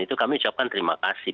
itu kami ucapkan terima kasih